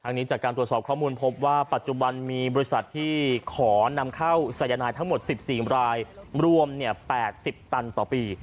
นี้จากการตรวจสอบข้อมูลพบว่าปัจจุบันมีบริษัทที่ขอนำเข้าสายนายทั้งหมด๑๔รายรวม๘๐ตันต่อปี